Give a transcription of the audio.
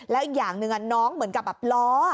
แล้วอีกอย่างหนึ่งน้องเหมือนกับแบบล้อ